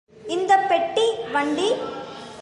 இந்தப் பெட்டி வண்டி?